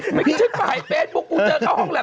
เมื่อกี้ฉันถ่ายเฟซบุ๊กกูเจอเข้าห้องแล็